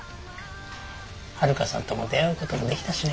はるかさんとも出会うこともできたしね。